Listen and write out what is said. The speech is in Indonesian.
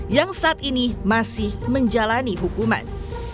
yang saat ini masih menjalani hukuman